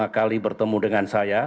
lima kali bertemu dengan saya